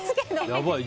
やばい。